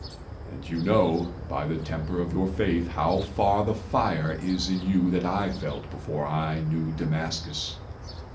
And you know, by the temper of your faith, How far the fire is in you that I felt Before I knew Damascus.